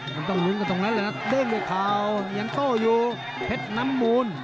มันต้องลุ้นกันตรงนั้นเลยนะเด้งด้วยข่าวยังโต้อยู่เพชรน้ำมูล